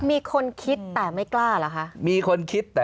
มีคนคิดแต่ไม่กล้าเหรอคะ